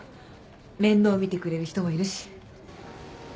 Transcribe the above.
面倒見てくれる人もいるし。